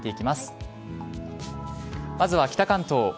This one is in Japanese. まずは北関東。